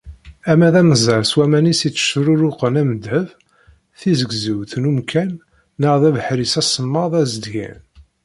Ama d amezzer s waman-is i itteccruruqen am ddheb, tizegzewt n umkan, neɣ d abeḥri-s aṣemmaḍ azedgan.